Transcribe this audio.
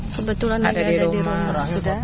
kebetulan ada di rumah